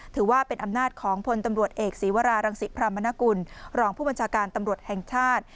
ถือว่าเป็นอำนาจของพลตำรวจเอกศีวรารังศิพรามนกุลรองผู้บัญชาการตำรวจแห่งชาติ